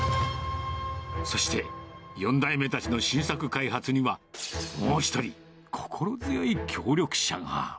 そして、４代目たちの新作開発には、もう１人、心強い協力者が。